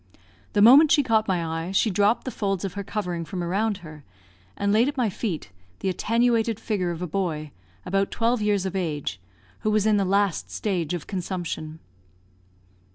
The moment she caught my eye she dropped the folds of her covering from around her, and laid at my feet the attenuated figure of a boy, about twelve years of age, who was in the last stage of consumption.